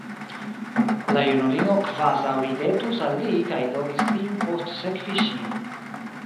La junulino kvazaŭ ridetus al li kaj logis lin postsekvi ŝin.